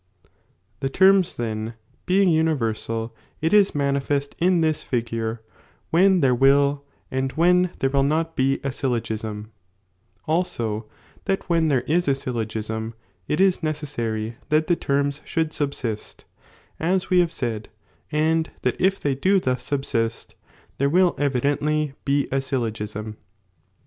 the terms then being universal, it is maoifedt in this iignre, when there will and when there will not be a syllc^sra, also tliat when there is a syllogism, it is necessary that the terms should subsist, as we have said, and that if they do thus subsist there will evidently he a syllogism.